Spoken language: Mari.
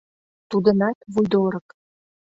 Тудынат — вуйдорык.